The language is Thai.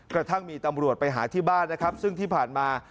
กระทั่งมีตำรวจไปหาที่บ้านนะครับซึ่งที่ผ่านมา